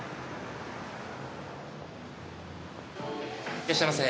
いらっしゃいませ。